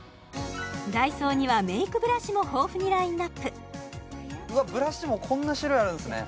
ＤＡＩＳＯにはメイクブラシも豊富にラインナップうわブラシもこんな種類あるんですね